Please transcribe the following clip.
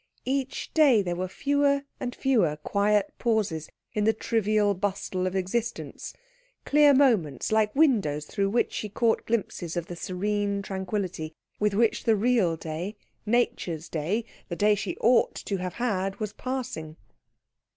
Each day there were fewer and fewer quiet pauses in the trivial bustle of existence; clear moments, like windows through which she caught glimpses of the serene tranquillity with which the real day, nature's day, the day she ought to have had, was passing.